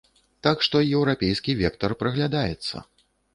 Так што еўрапейскі вектар праглядаецца.